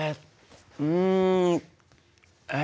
うんえ？